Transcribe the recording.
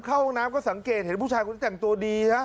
เข้าห้องน้ำก็สังเกตเห็นผู้ชายคนนี้แต่งตัวดีฮะ